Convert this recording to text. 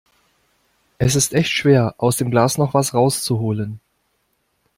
Es ist echt schwer, aus dem Glas noch was rauszuholen.